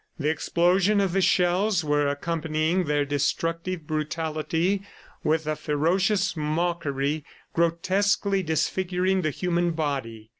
The explosion of the shells were accompanying their destructive brutality with a ferocious mockery, grotesquely disfiguring the human body.